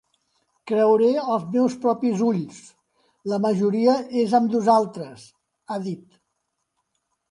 Creuré els meus propis ulls: la majoria és amb nosaltres, ha dit.